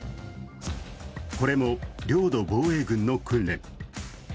これも領土防衛軍の訓練。